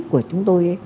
của chúng tôi ấy